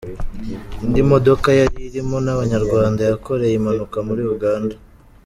Indi modoka yari irimo n’Abanyarwanda yakoreye impanuka muri Uganda